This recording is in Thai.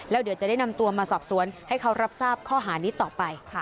แล้วเดี๋ยวจะได้นำตัวมาสอบสวนให้เขารับทราบข้อหานี้ต่อไป